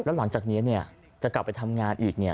แล้วหลังจากนี้จะกลับไปทำงานอีก